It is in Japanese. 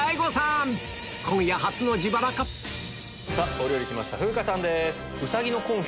お料理きました風花さんです。